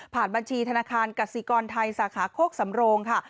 บัญชีธนาคารกสิกรไทยสาขาโคกสำโรงค่ะ